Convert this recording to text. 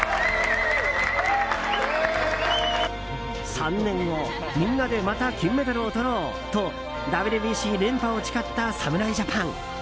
３年後みんなでまた金メダルをとろうとＷＢＣ連覇を誓った侍ジャパン。